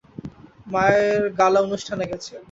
মায়ের গালা অনুষ্ঠানে গেছে।